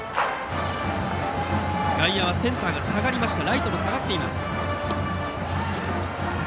外野、センターが下がってライトも下がっています。